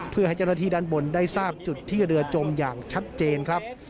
เพื่อให้เจ้าหน้าที่ด้านบนได้ทราบจุดที่เรือจมอย่างชัดเจนครับ